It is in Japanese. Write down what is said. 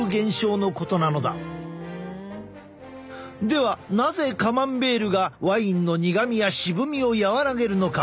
ではなぜカマンベールがワインの苦みや渋みを和らげるのか？